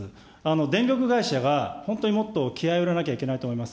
電力会社が、本当にもっと気合いを入れなきゃいけないと思います。